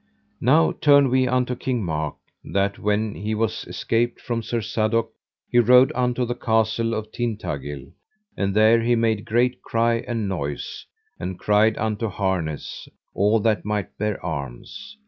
Now turn we unto King Mark, that when he was escaped from Sir Sadok he rode unto the Castle of Tintagil, and there he made great cry and noise, and cried unto harness all that might bear arms.